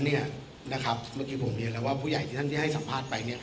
เมื่อกี้ผมเรียนแล้วว่าผู้ใหญ่ที่ท่านที่ให้สัมภาษณ์ไป